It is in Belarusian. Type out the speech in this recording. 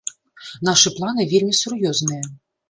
Нашы планы вельмі сур'ёзныя.